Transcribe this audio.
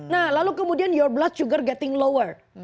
nah lalu kemudian your blood sugar getting lower